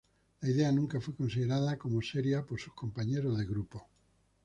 La idea nunca fue considerada como seria por sus compañeros de grupo.